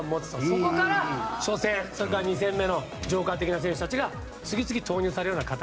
そこから初戦、２戦目のジョーカー的な選手たちが次々投入されるような形。